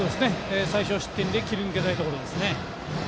最少失点で切り抜けたいところです。